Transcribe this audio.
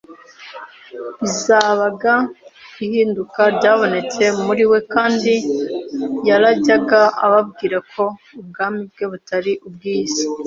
Bibazaga ihinduka ryabonetse muri we kandi yarajyaga ababwira ko ubwami bwe butari ubw'iyi si.